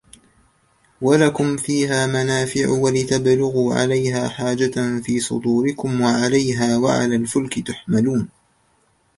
وَلَكُمْ فِيهَا مَنَافِعُ وَلِتَبْلُغُوا عَلَيْهَا حَاجَةً فِي صُدُورِكُمْ وَعَلَيْهَا وَعَلَى الْفُلْكِ تُحْمَلُونَ